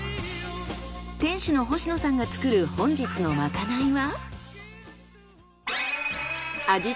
店主の星野さんが作る本日のまかないは？